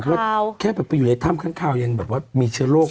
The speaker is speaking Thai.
ว่าแค่แบบไปอยู่ในถ้ำข้างคาวยังแบบว่ามีเชื้อโรค